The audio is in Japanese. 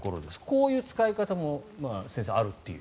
こういう使い方も先生、あるという。